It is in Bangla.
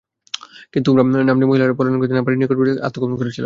কিন্তু উমরা নাম্নী মহিলা পলায়ন করতে না পেরে নিকটবর্তী এক স্থানে আত্মগোপন করেছিল।